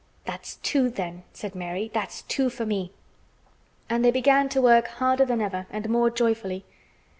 "That's two, then," said Mary. "That's two for me." And then they began to work harder than ever and more joyfully.